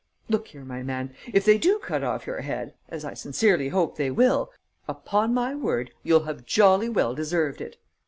Look here, my man, if they do cut off your head as I sincerely hope they will upon my word, you'll have jolly well deserved it!